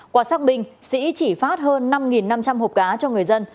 quảng sắc bình sĩ chỉ phát hơn năm năm trăm linh hộp cá cho người dân